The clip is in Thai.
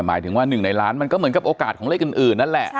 หมายถึงว่า๑ในล้านมันก็เหมือนกับโอกาสของเลขอื่นนั่นแหละ